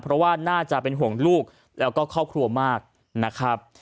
เพราะว่าน่าจะเป็นห่วงลูกแล้วก็ครอบครัวมากนะครับ